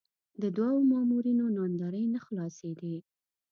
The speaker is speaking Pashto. د دوو مامورینو ناندرۍ نه خلاصېدې.